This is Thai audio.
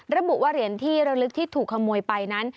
ระบุว่าเหรียญที่ระลึกที่ถูกขโมยไปนั้น